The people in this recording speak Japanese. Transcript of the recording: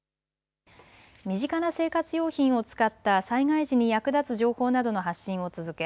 身近な生活用品を使った災害時に役立つ情報などの発信を続け